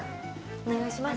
お願いします。